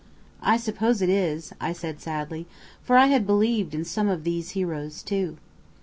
"I suppose it is," I said sadly, for I had believed in some of these heroes too.